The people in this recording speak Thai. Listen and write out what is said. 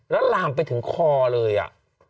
แล้วลามไปถึงคอเลยอ่ะ